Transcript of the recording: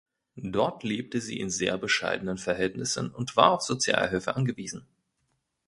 Dort lebte sie in sehr bescheidenen Verhältnissen und war auf Sozialhilfe angewiesen.